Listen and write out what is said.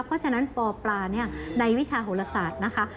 เพราะฉะนั้นปปลาในวิชาโหลศาสตร์นะคะ